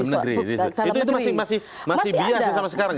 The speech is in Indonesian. itu masih biasa sama sekarang ya